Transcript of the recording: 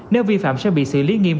nếu vi phạm sẽ bị xử lý nghiêm